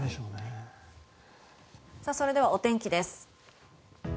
それではお天気です。